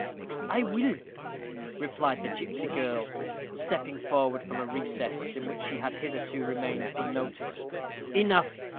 "I will," replied the gipsy girl, stepping forward from a recess, in which she had hitherto remained unnoticed. "Enough.